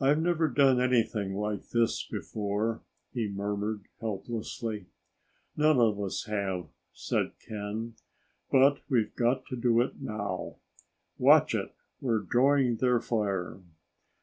"I've never done anything like this before," he murmured helplessly. "None of us have," said Ken; "but we've got to do it now. Watch it! We're drawing their fire!"